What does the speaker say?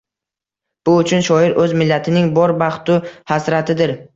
Bu uchun shoir o‘z millatining bor baxt-u hasratidir.